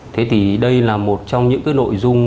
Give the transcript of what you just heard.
thế thì đây là một trong những cái nội dung